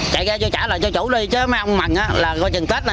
trả ghe lại cho chủ đi chứ mấy ông mạnh là coi chừng tết này